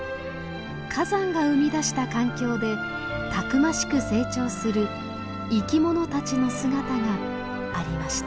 火山が生み出した環境でたくましく成長する生き物たちの姿がありました。